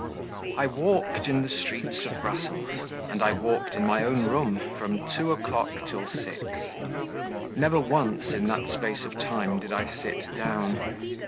I walked in the streets of Brussels, and I walked in my own room from two o'clock till six; never once in that space of time did I sit down.